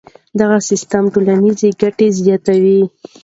دغه سیستم ټولنیزې ګټې زیاتوي.